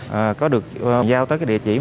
và có được giao tới cái địa chỉ